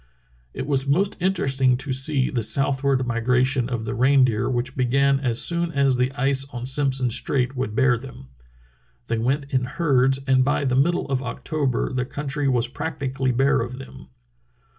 It was most interesting to see the southward migra tion of the reindeer, which began as soon as the ice on Simpson Strait would bear them. They went in herds, and by the middle of October the country was practi cally bare of them.